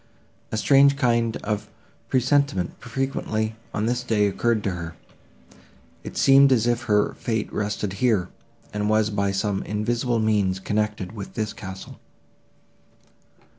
A strange kind of presentiment frequently, on this day, occurred to her;—it seemed as if her fate rested here, and was by some invisible means connected with this castle.